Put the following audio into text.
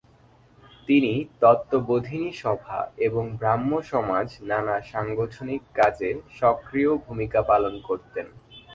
তিনি তত্ত্ববোধিনী সভা এবং ব্রাহ্মসমাজ নানা সাংগঠনিক কাজে সক্রিয় ভূমিকা পালন করতেন।